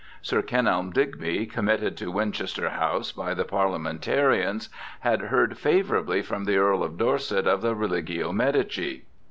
Sir Kenelm Digb}', committed to Winchester House by the Parliamentarians, had heard favourably from the Earl of Dorset of the Religio Medici.